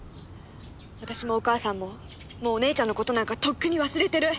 私もお母さんももうお姉ちゃんの事なんかとっくに忘れてる。